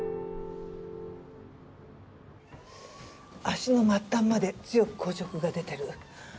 足の末端まで強く硬直が出てる。